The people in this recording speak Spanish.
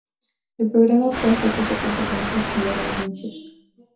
El programa fue un fracaso tanto comercial como de audiencias.